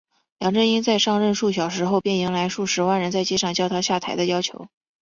梁振英在上任数小时后便迎来数十万人在街上叫他下台的要求。